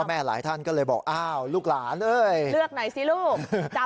แม่หลายท่านก็เลยบอกอ้าวลูกหลานเอ้ยเลือกหน่อยสิลูก